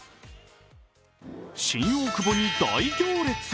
新大久保に大行列。